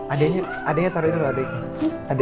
adeknya taroin dulu adeknya